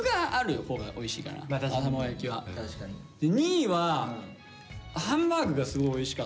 ２位はハンバーグがすごいおいしかった。